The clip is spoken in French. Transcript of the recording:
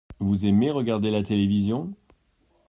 Vous aimez regarder la télévision ?